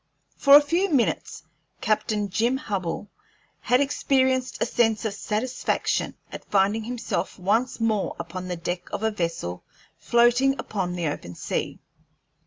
For a few minutes Captain Jim Hubbell had experienced a sense of satisfaction at finding himself once more upon the deck of a vessel floating upon the open sea.